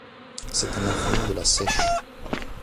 C'est un affluent de la Seiche.